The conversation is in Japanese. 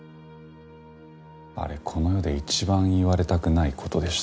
あれこの世で一番言われたくない事でした。